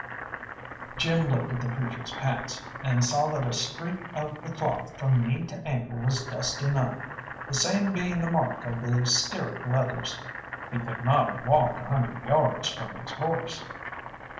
Jim looked at the preacher's pants, and saw that a streak of the cloth from knee to ankle was dusty none the same being the mark of the stirrup leathers. He could not have walked a hundred yards from his horse.